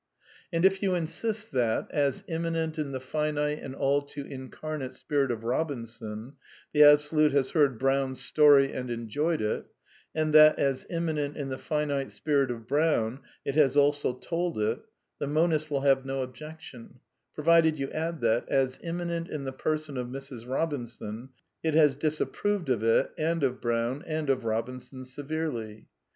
And if you insist that, as immanent in the finite and all too incarnate spirit of Bobinson, the Absolute has heard Brown's story and enjoyed it; and that, as imma nent in the finite spirit of Brown, it has also told it, the monist will have no objection; provided you add that, as immanent in the person of Mrs. Bobinson, it has disap proved of it (and of Brown, and of Bobinson) severely.